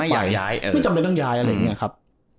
ไม่จำเป็นต้องย้ายอะไรอย่างนี้ครับ